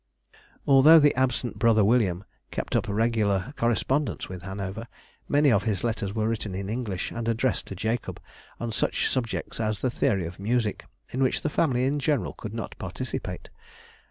_] Although the absent brother William kept up regular correspondence with Hanover, many of his letters were written in English and addressed to Jacob, on such subjects as the Theory of Music, in which the family in general could not participate.